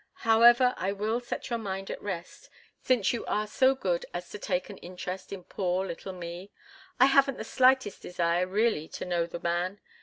However, I will set your mind at rest—since you are so good as to take an interest in poor little me—I haven't the slightest desire really to know the man.